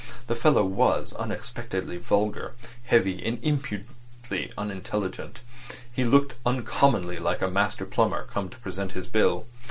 The fellow was unexpectedly vulgar, heavy, and impudently unintelligent. He looked uncommonly like a master plumber come to present his bill.